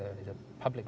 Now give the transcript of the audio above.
adalah jalan publik